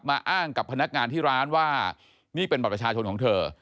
อ้างกับพนักงานที่ร้านว่านี่เป็นบัตรประชาชนของเธอ